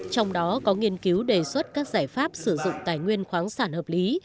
trong đó có nghiên cứu đề xuất các giải pháp sử dụng tài nguyên khoáng sản hợp lý